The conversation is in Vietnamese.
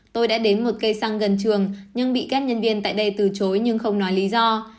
tôi đã đến một cây xăng gần trường nhưng bị các nhân viên tại đây từ chối nhưng không nói lý do